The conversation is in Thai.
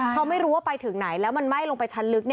เพราะไม่รู้ว่าไปถึงไหนแล้วมันไหม้ลงไปชั้นลึก